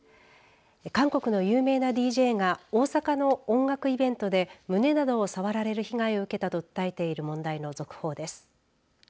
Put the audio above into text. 韓国の有名なＤＪが大阪の音楽イベントで胸などを触られる被害を受けたと訴えている問題の続報です。